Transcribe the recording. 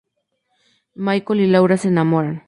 Michael y Laura se enamoran.